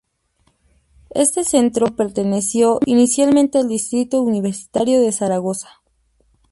Este centro, perteneció inicialmente al distrito universitario de Zaragoza.